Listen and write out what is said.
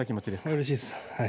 うれしいです。